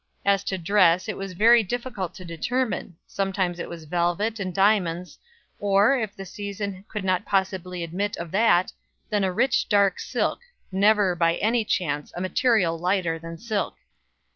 As to dress, it was very difficult to determine; sometimes it was velvet and diamonds, or, if the season would not possibly admit of that, then a rich, dark silk, never, by any chance, a material lighter than silk.